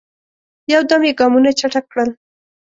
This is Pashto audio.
یو دم یې ګامونه چټک کړل.